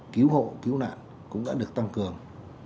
cứu hộ cứu nạn cũng đã được tăng cường